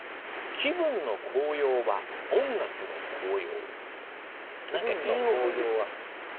「気分の高揚は音楽の効用！」。